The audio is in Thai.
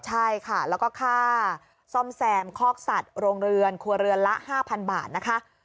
ใช่ค่ะแล้วก็ค่าซ่อมแซมคอกสัตว์โรงเรือนครัวเรือนละ๕๐๐๐บาทนะคะ